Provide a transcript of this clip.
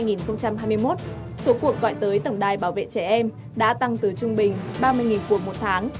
năm hai nghìn hai mươi một số cuộc gọi tới tổng đài bảo vệ trẻ em đã tăng từ trung bình ba mươi cuộc một tháng